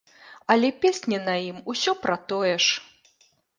Але песні на ім усё пра тое ж!